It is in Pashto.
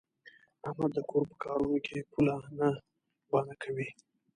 احمد د کور په کارونو کې پوله نه بانه کوي.